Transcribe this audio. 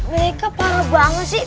mereka parah banget sih